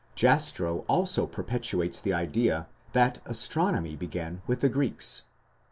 Jastrow also perpetuates the idea that astronomy began with the Greeks.